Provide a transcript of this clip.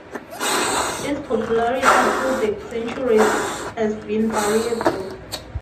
Its popularity through the centuries has been variable.